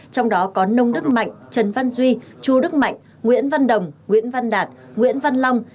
trong đó có nông đức mạnh trần văn duy chu đức mạnh nguyễn văn đồng nguyễn văn đạt nguyễn văn long